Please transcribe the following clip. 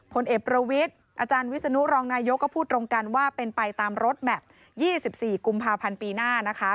ผลเอกประวิทย์อาจารย์วิศนุรองนายกก็พูดตรงกันว่าเป็นไปตามรถแมพ๒๔กุมภาพันธ์ปีหน้านะคะ